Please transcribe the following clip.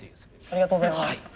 ありがとうございます。